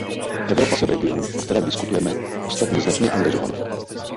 Evropa se v regionu, o kterém diskutujeme, ostatně značně angažovala.